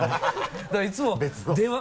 だからいつも電話